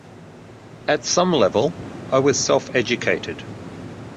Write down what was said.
At some level, I was self-educated.